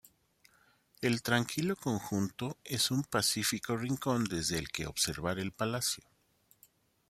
El tranquilo conjunto es un pacífico rincón desde el que observar el palacio.